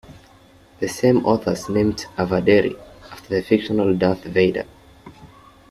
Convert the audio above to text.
The same authors named "A. vaderi" after the fictional Darth Vader.